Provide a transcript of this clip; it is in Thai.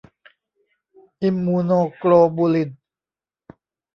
อิมมูโนโกลบูลิน